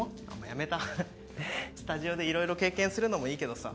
やめたスタジオで色々経験するのもいいけどさ